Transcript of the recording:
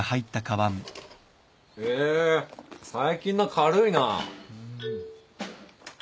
へぇ最近のは軽いなぁ。